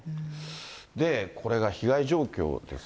これが被害状況ですが。